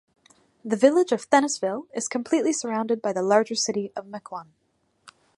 The village of Thiensville is completely surrounded by the larger city of Mequon.